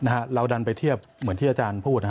เราดันไปเทียบเหมือนที่อาจารย์พูดนะฮะ